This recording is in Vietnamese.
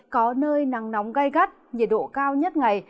có nơi nắng nóng gai gắt nhiệt độ cao nhất ngày